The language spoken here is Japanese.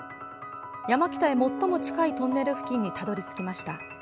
山北へ最も近いトンネル付近にたどり着きました。